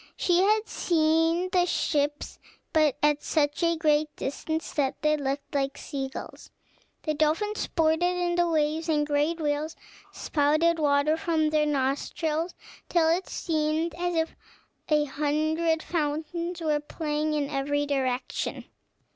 She had seen the ships, but at such a great distance that they looked like sea gulls. The dolphins sported in the waves, and the great whales spouted water from their nostrils till it seemed as if a hundred fountains were playing in every direction.